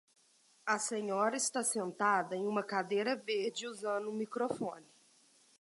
A senhora está sentada em uma cadeira verde e usando um microfone.